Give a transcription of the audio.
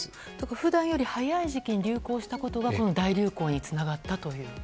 普段より早い時期に流行したことがこの大流行につながったと。